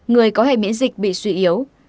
người có hệ miễn dịch bị suy yếu